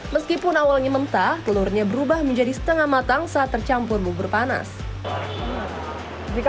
meskipun awalnya mentah telurnya berubah menjadi setengah matang saat tercampur bubur panas jika